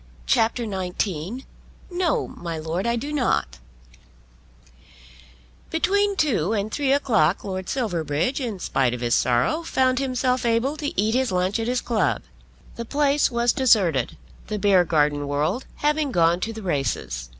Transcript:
CHAPTER XIX "No; My Lord, I Do Not" Between two and three o'clock Lord Silverbridge, in spite of his sorrow, found himself able to eat his lunch at his club. The place was deserted, the Beargarden world having gone to the races.